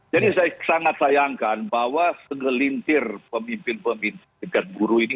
jadi saya sangat sayangkan bahwa segelintir pemimpin pemimpin serikat guru ini